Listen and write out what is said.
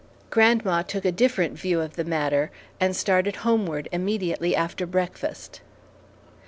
Grandma took a different view of the matter, and started homeward immediately after breakfast.